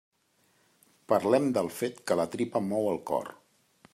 Parlem del fet que la tripa mou el cor.